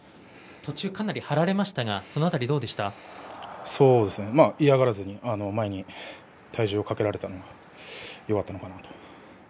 途中かなり張られましたが嫌がらずに前に体重をかけられたのがよかったのかなと。